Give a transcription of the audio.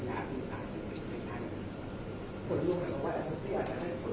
อาจมีขนลูกในการโดดเลือดได้